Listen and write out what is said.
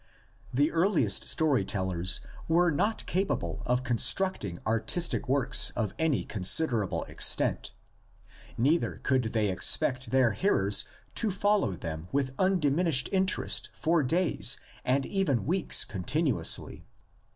The earliest story tellers were not capable of constructing artistic works of any considerable extent; neither could they expect their hearers to follow them with undiminished interest for days and even weeks continuously.